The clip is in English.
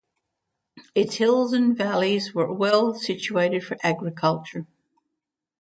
Its hills and valleys were well suited for agriculture.